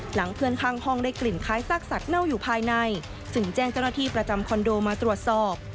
หลังเพื่อนข้างห้องได้กลิ่นคล้ายซากสัตว์เน่าอยู่ภายในจึงแจ้งเจ้าหน้าที่ประจำคอนโดมาตรวจสอบ